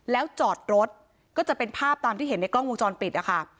แล้วจอดรถก็จะเป็นภาพตามที่เห็นในกล้องวงจรปิดนะคะ